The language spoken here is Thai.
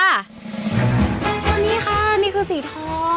นี่ค่ะนี่คือสีทอง